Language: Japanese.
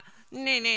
ねえ。